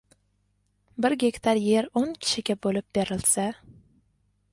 Bir gektar yer o‘n kishiga bo‘lib berilsa